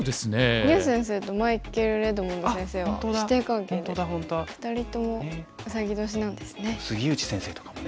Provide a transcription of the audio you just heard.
牛先生とマイケルレドモンド先生は師弟関係で２人ともウサギ年なんですね。